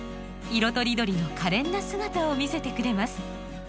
色とりどりのかれんな姿を見せてくれます。